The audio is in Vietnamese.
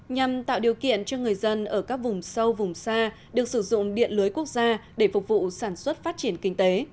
nhằm tạo điều kiện cho người dân ở các vùng sâu vùng xa được sử dụng điện lưới quốc gia để phục vụ sản xuất phát triển kinh tế